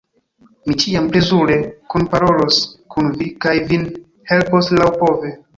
Mi ĉiam plezure kunparolos kun vi kaj vin helpos laŭpove.